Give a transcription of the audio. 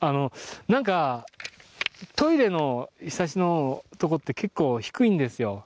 なんかトイレの庇のとこって結構低いんですよ